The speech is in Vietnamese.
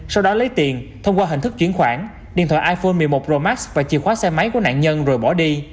sau đó lấy tiền thông qua hình thức chuyển khoản điện thoại iphone một mươi một pro max và chìa khóa xe máy của nạn nhân rồi bỏ đi